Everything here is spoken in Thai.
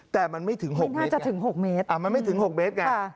แต่มันไม่ถึงหกเมตรไม่น่าจะถึงหกเมตรอ่ะมันไม่ถึงหกเมตรไงค่ะ